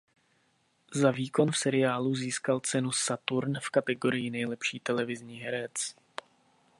Za výkon v seriálu získal cenu Saturn v kategorii nejlepší televizní herec.